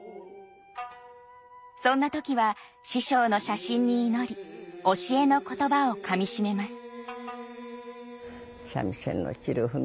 そんな時は師匠の写真に祈り教えの言葉をかみしめます。